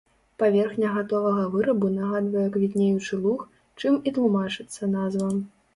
Паверхня гатовага вырабу нагадвае квітнеючы луг, чым і тлумачыцца назва.